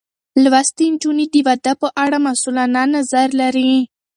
لوستې نجونې د واده په اړه مسؤلانه نظر لري.